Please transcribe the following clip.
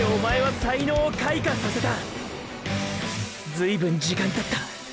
ずい分時間たった。